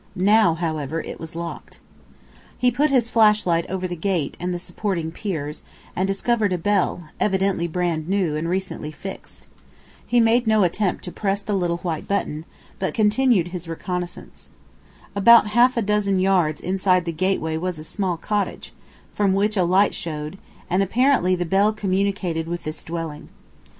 Now, however, it was locked. He put his flashlight over the gate and the supporting piers, and discovered a bell, evidently brand new, and recently fixed. He made no attempt to press the little white button, but continued his reconnaissance. About half a dozen yards inside the gateway was a small cottage, from which a light showed, and apparently the bell communicated with this dwelling.